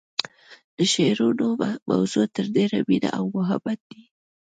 د شعرونو موضوع تر ډیره مینه او محبت دی